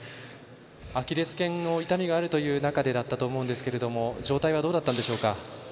アキレスけんの痛みがある中でだったと思うんですが状態はどうだったんでしょうか？